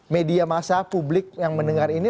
media masa publik yang mendengar ini